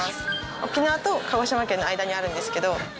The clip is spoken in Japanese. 沖縄と鹿児島県の間にあるんですけど。